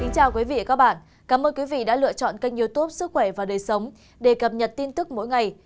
chào các bạn cảm ơn quý vị đã lựa chọn kênh youtube sức khỏe và đời sống để cập nhật tin tức mỗi ngày